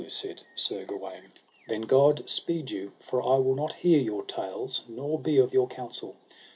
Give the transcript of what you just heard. said Sir Gawaine; then God speed you, for I will not hear your tales ne be of your counsel.